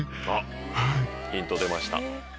あっヒント出ました。